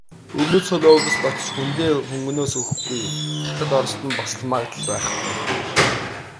Өмнөд Солонгост очиж хүндээ хөнгөнөөс өгөхгүй, Хятад, Орост нь бас л магадлал байхгүй.